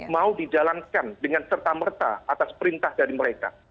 mau dijalankan dengan serta merta atas perintah dari mereka